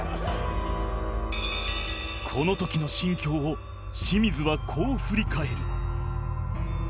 この時の心境を清水はこう振り返る